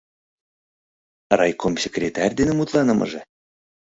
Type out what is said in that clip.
Райком секретарь дене мутланымыже?..